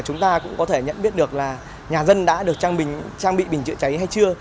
chúng ta cũng có thể nhận biết được là nhà dân đã được trang bị bình chữa cháy hay chưa